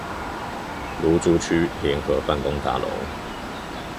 蘆竹區聯合辦公大樓